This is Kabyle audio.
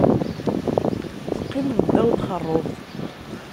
Teqqimeḍ ddaw n txeṛṛubt.